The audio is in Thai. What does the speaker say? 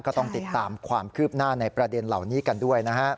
ก็ต้องติดตามความคืบหน้าในประเด็นเหล่านี้กันด้วยนะฮะ